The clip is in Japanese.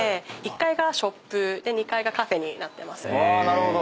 なるほど。